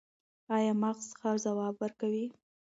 ایا مغز ښه ځواب ورکوي؟